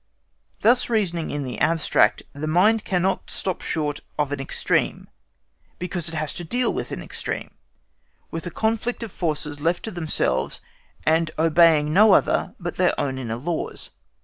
Thus reasoning in the abstract, the mind cannot stop short of an extreme, because it has to deal with an extreme, with a conflict of forces left to themselves, and obeying no other but their own inner laws.